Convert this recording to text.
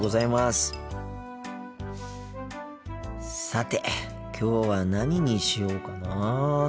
さてきょうは何にしようかな。